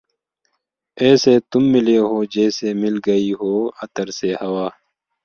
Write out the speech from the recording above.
ایسے تم ملے ہو جیسی مل گئ ہو عطر سے ہوا“